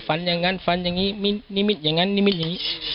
ฝันอย่างนั้นฝันอย่างนี้มีนิมิตอย่างนั้นนิมิตอย่างนี้